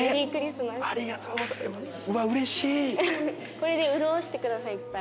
これで潤してくださいいっぱい。